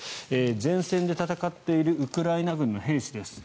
前線で戦っているウクライナ軍の兵士です。